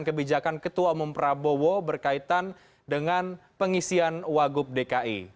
kebijakan ketua umum prabowo berkaitan dengan pengisian wagub dki